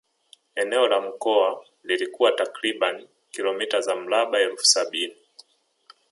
Eneo la mkoa lilikuwa takriban kilometa za mraba elfu sabini